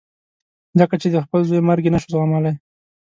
ځکه چې د خپل زوی مرګ یې نه شو زغملای.